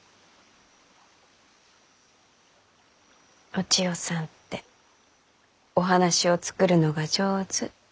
お千代さんってお話を作るのが上手。